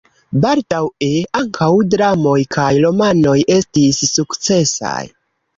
Baldaŭe ankaŭ dramoj kaj romanoj estis sukcesaj.